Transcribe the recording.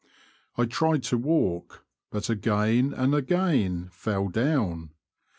I tried to walk, but again and again fell down.